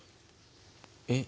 えっ？